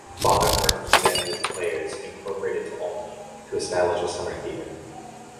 Father Hartke then moved Players, Incorporated to Olney to establish a summer theater.